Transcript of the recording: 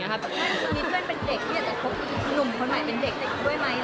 มีเพื่อนเป็นเด็กที่อยากจะคบหนุ่มคนใหม่เป็นเด็กด้วยไหม